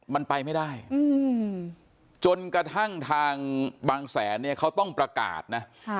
มันไปไม่ได้จนกระทั่งทางบางแสนเนี่ยเขาต้องประกาศนะ